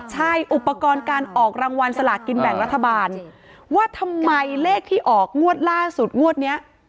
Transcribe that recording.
ใช่อุปกรณ์การออกแบ่งรัฐบาลว่าทำไมเลขที่ออกงวดล่าสุดนี้